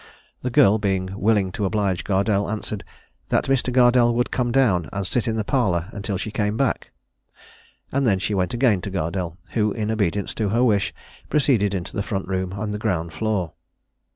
The girl being willing to oblige Gardelle, answered "that Mr. Gardelle would come down, and sit in the parlour until she came back;" and she then went again to Gardelle, who, in obedience to her wish, proceeded into the front room on the ground floor.